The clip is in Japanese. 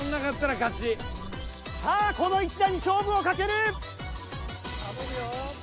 さあこの一打に勝負をかける！